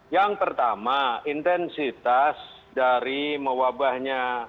yang pertama intensitas dari mewabahnya